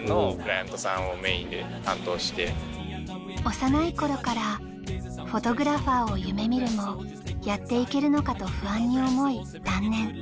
幼い頃からフォトグラファーを夢みるもやっていけるのかと不安に思い断念。